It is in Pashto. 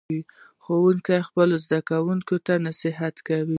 ښوونکي خپلو زده کوونکو ته نصیحت وکړ.